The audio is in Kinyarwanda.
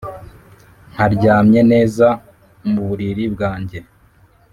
nkaryamye neza mu buriri bwanjye.